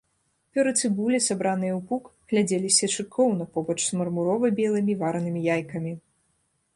Пёры цыбулі, сабраныя ў пук, глядзеліся шыкоўна побач з мармурова-белымі варанымі яйкамі.